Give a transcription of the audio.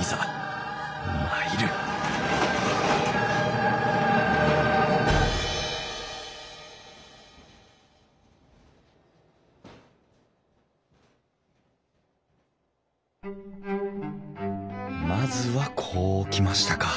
いざ参るまずはこう来ましたか。